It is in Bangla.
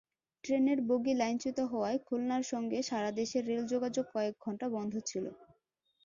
ট্রেনের বগি লাইনচ্যুত হওয়ায় খুলনার সঙ্গে সারা দেশের রেলযোগাযোগ কয়েক ঘণ্টা বন্ধ ছিল।